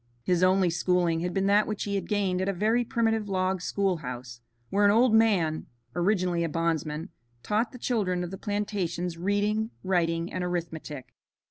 His only schooling had been that which he had gained at a very primitive log schoolhouse, where an old man named Hobby, originally a bondsman, taught the children of the plantations reading, writing, and arithmetic.